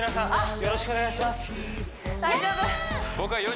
よろしくお願いしますイヤー！